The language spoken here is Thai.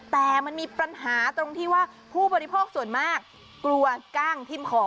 แต่มันมีปัญหาตรงที่ว่าผู้บริโภคส่วนมากกลัวกล้างทิ้มคอ